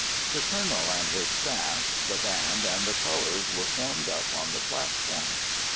The Colonel and his staff, the band, and the colours were formed up on the platform.